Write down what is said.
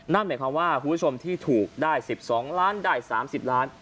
นั่นแหมความว่าประโยชน์ที่ถูกได้๑๒ล้านได้๓๐ล้าน